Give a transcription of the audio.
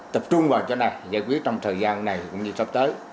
tập trung vào chỗ này giải quyết trong thời gian này cũng như sắp tới